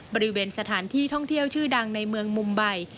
บริเวณสถานที่ท่องเที่ยวชื่อดังในเมืองมุมใบ